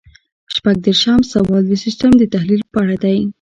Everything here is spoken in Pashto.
شپږ دېرشم سوال د سیسټم د تحلیل په اړه دی.